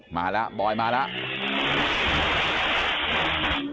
มาแล้วบอยมาแล้ว